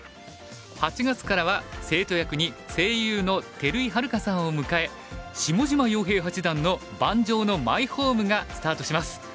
８月からは生徒役に声優の照井春佳さんを迎え下島陽平八段の「盤上のマイホーム」がスタートします。